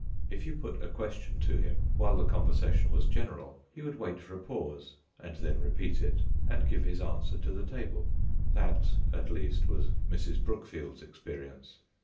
If you put a question to him while the conversation was general, he would wait for a pause, and then repeat it, and give his answer to the table : that, at least, was Mrs. Brookfield's experience.